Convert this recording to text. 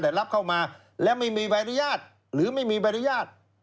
แต่รับเข้ามาและไม่มีใบอนุญาตหรือไม่มีใบอนุญาต